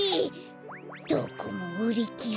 どこもうりきれ。